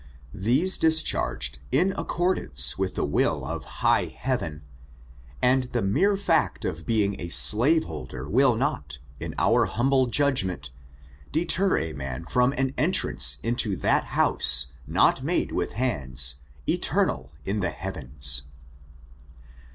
These discharged, in accordance with the will of hig^ Heaven, and the mere fact of being a slaveholder will not, in our humble judgment, debar a man from an entram^ into that ^ house not made with hands, eternal in the heavens."